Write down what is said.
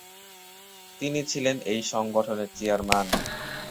তিনি ছিলেন এই সংগঠনের চেয়ারম্যান।